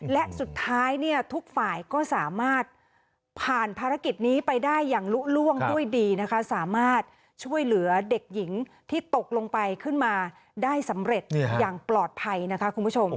และสุดท้ายเนี่ยทุกฝ่ายก็สามารถผ่านภารกิจนี้ไปได้อย่างลุล่วงด้วยดีนะคะสามารถช่วยเหลือเด็กหญิงที่ตกลงไปขึ้นมาได้สำเร็จอย่างปลอดภัยนะคะคุณผู้ชม